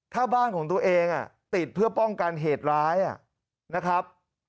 ถ้าบ้านของตัวเองติดเพื่อป้องกันเหตุร้ายนะครับ